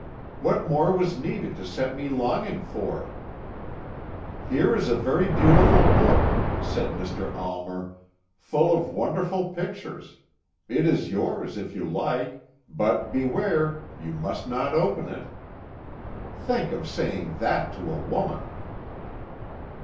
"What more was needed to set me longing for it? 'Here is a very beautiful book,' said Mr. Almer, 'full of wonderful pictures; it is yours, if you like but, beware, you must not open it.' Think of saying that to a woman!"